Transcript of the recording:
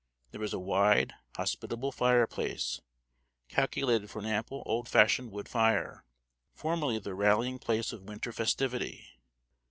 There is a wide, hospitable fireplace, calculated for an ample old fashioned wood fire, formerly the rallying place of winter festivity.